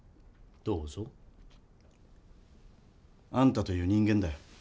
どうぞ。あんたという人間だよ。